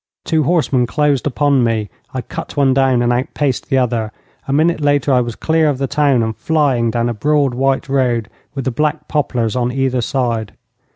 Two horsemen closed upon me. I cut one down and outpaced the other. A minute later I was clear of the town, and flying down a broad white road with the black poplars on either side.